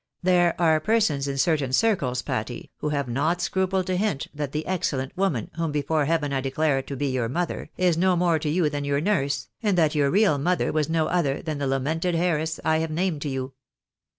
There are persons in certain circles, Patty, who have not scrupled to hint that the excellent woman, whom befora heaven I declare to be your mother, Mrs. toknorino's only alterkative. 13 is no more to you than your nurse, and that your real mother was no other than the lamented heiress I have named to you